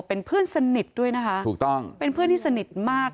เป็นเพื่อนสนิทด้วยนะคะถูกต้องเป็นเพื่อนที่สนิทมาก